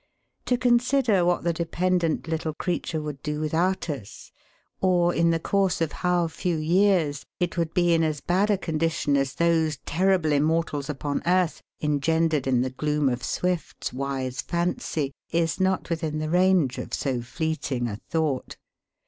To consider what the dependent little creature would do without us, or in the course of how few years it would be in as bad a condition as those terrible immortals upon earth, engendered in the gloom of SWIFT'S wise fancy, is not within the range of so fleeting a thought.